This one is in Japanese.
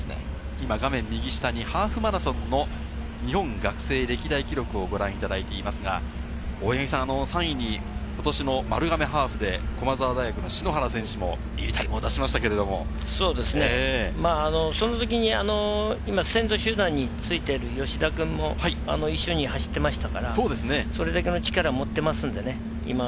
今、画面右下にハーフマラソンの日本学生歴代記録をご覧いただいていますが、３位にことしの丸亀ハーフで駒澤大学・篠原選手もいいタイムを出しましたが、そのときに先頭集団についている吉田くんも一緒に走っていましたから、それだけの力を持っていますんでね。